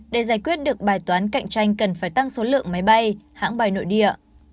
để giải quyết được bài toán cạnh tranh cần phải tăng số lượng máy bay hãng bay nội địa